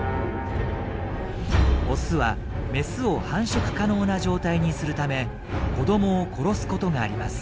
オスはメスを繁殖可能な状態にするため子どもを殺すことがあります。